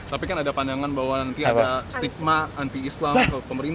tapi kan ada pandangan bahwa nanti ada stigma anti islam